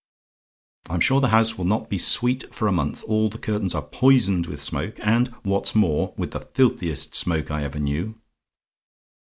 "I'm sure the house will not be sweet for a month. All the curtains are poisoned with smoke; and what's more, with the filthiest smoke I ever knew.